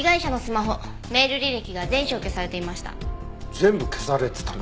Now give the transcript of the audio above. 全部消されてたの？